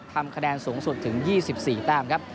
ทำคะแนนสูงสุดถึง๒๔แต้มครับ